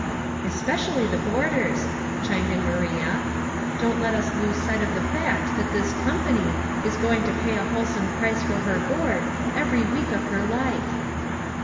"Especially the boarders," chimed in Maria. "Don't let us lose sight of the fact that this * company,' is going to pay a wholesome price for her board, every week of her life."